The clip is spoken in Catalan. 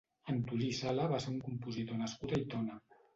Antolí Sala va ser un compositor nascut a Aitona.